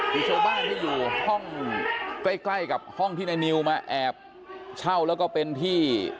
บุกเข้าไปแกกลไกลกับในนิวมาแอบเช่าแล้วก็เป็นที่